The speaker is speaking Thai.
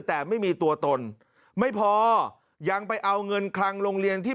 แต่ไม่มีตัวตนไม่พอยังไปเอาเงินคลังโรงเรียนที่